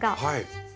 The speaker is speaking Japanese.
はい。